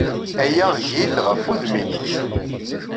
Aya eg-it ɣef wudem-inu.